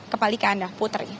kepalikan ya putri